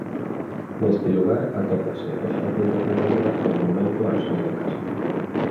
Neste lugar atópanse os xardíns da Ferradura e o monumento a Rosalía de Castro.